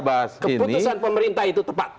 keputusan pemerintah itu tepat